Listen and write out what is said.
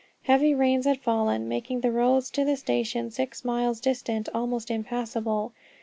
Heavy rains had fallen, making the roads to the station, six miles distant, almost impassable.